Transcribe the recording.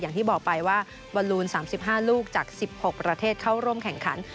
อย่างที่บอกไปว่าบอลลูน๓๕ลูกจาก๑๖ประเทศเข้าร่วมแข่งขัน